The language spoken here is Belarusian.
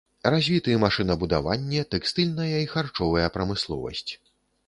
Развіты машынабудаванне, тэкстыльная і харчовая прамысловасць.